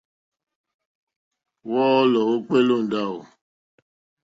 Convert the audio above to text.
Wɔ́ɔ́lɔ̀ wókpéélì ó ndáwò.